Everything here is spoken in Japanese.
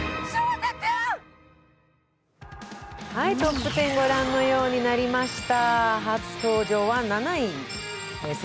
トップ１０ご覧のようになりました。